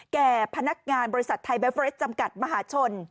แก่พนักงานบริษัทไทยเบเวรสจำกัดมหาชน